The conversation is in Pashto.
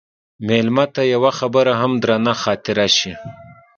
مېلمه ته یوه خبره هم درنه خاطره شي.